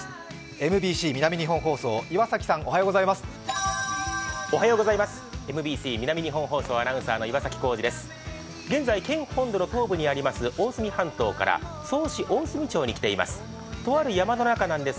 ＭＢＣ南日本放送、岩崎さん、おはようございます。